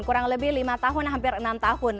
kurang lebih lima tahun hampir enam tahun